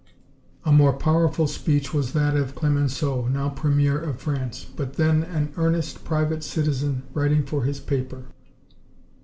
A more powerful speech was that of Clemenceau, now Premier of France, but then an earnest private citizen, writing for his paper.